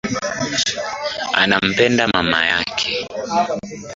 Anampenda mama yake.